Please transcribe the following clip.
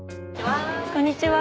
こんにちは。